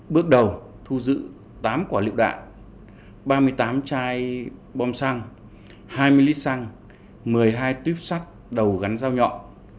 bước đầu thu giữ tám quả lựu đạn ba mươi tám chai bom xăng hai mươi lít xăng một mươi hai tuyếp sắt đầu gắn dao nhọn